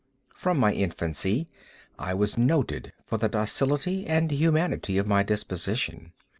From my infancy I was noted for the docility and humanity of my disposition.